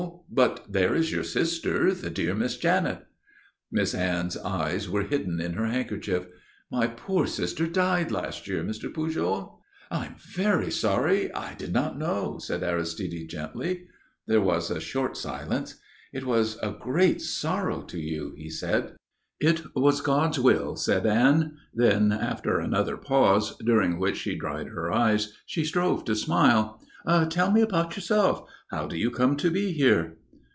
But there is your sister, the dear Miss Janet." Miss Anne's eyes were hidden in her handkerchief. "My poor sister died last year, Mr. Pujol." "I am very sorry. I did not know," said Aristide gently. There was a short silence. "It was a great sorrow to you," he said. "It was God's will," said Anne. Then, after another pause, during which she dried her eyes, she strove to smile. "Tell me about yourself. How do you come to be here?"